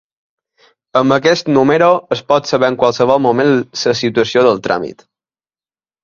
Amb aquest número es pot saber en qualsevol moment la situació del tràmit.